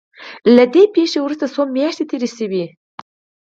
له دې پېښې وروسته څو مياشتې تېرې شوې.